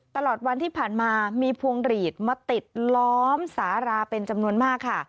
ตลอดวันที่ผ่านมามีพวงหลีดมาติดล้อมสาราเป็นจำนวนมากค่ะ